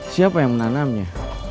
siapa yang menanamnya